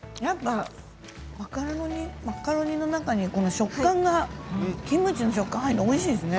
マカロニの中にこの食感がキムチの食感が入るとおいしいですね。